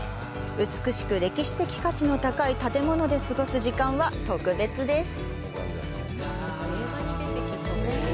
美しく歴史的価値の高い建物で過ごす時間は特別です。